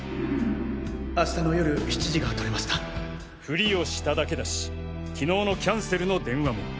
明日の夜７時が取れましたフリをしただけだし昨日のキャンセルの電話も。